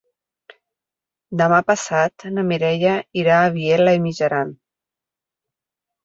Demà passat na Mireia irà a Vielha e Mijaran.